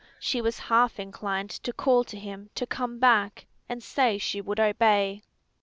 She was half inclined to call to him to come back, and say she would obey.